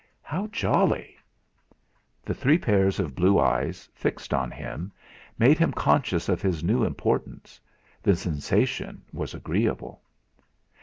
"How jolly!" The three pairs of blue eyes, fixed on him, made him conscious of his new importance The sensation was agreeable.